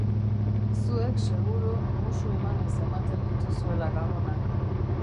Zuek seguru musu emanez ematen dituzuela gabonak.